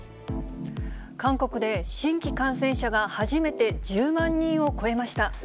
韓国で新規感染者が初めて１０万人を超えました。